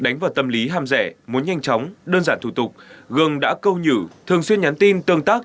nhân giản thủ tục gương đã câu nhữ thường xuyên nhắn tin tương tác